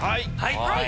はい！